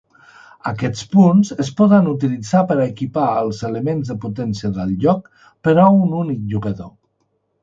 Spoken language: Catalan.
Aquests punts es poden utilitzar per a equipar els elements de potència del joc per a un únic jugador.